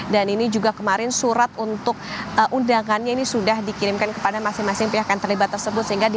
dan ini juga kemarin surat untuk undangannya ini sudah dikirimkan kepada masing masing pihak yang terlibat tersebut